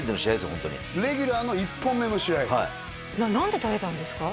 ホントにレギュラーの１本目の試合何で取れたんですか？